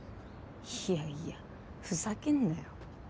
いやいやふざけんなよ。